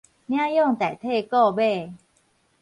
領養代替購買